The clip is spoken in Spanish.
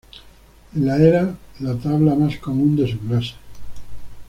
En la era la tabla más común de su clase.